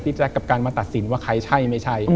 แจ๊คกับการมาตัดสินว่าใครใช่ไม่ใช่